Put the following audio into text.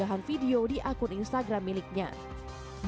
kecintaan erick terhadap penerbangan pun kerap ia bagikan melalui unsur